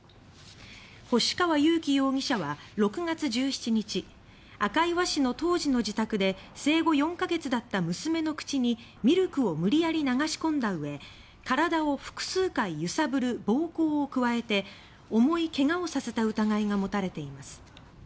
星川佑樹容疑者は６月１７日赤磐市の当時の自宅で生後４か月だった娘の口にミルクを無理やり流し込んだうえ体を複数回揺さぶる暴行を加えて重いけがをさせた疑いが持たれています。